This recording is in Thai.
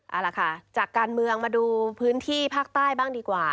เอาล่ะค่ะจากการเมืองมาดูพื้นที่ภาคใต้บ้างดีกว่า